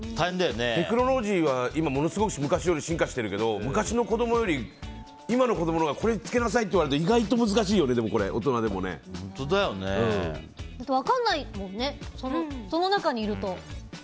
テクノロジーはものすごく昔より進化しているけど昔の子供より今の子供のほうがこれを身に着けなさいって言われても分からないもんねその中にいると。